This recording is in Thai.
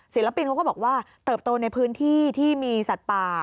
ศิลปินเขาก็บอกว่าเติบโตในพื้นที่ที่มีสัตว์ป่า